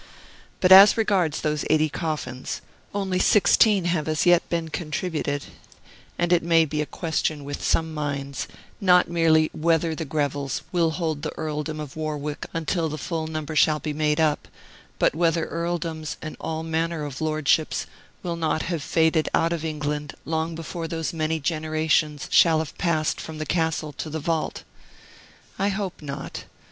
But as regards those eighty coffins, only sixteen have as yet been contributed; and it may be a question with some minds, not merely whether the Grevilles will hold the earldom of Warwick until the full number shall be made up, but whether earldoms and all manner of lordships will not have faded out of England long before those many generations shall have passed from the castle to the vault. I hope not.